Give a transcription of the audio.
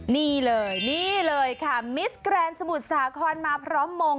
นี่เลยนี่เลยค่ะมิสแกรนด์สมุทรสาครมาพร้อมมง